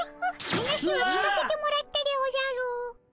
話は聞かせてもらったでおじゃる。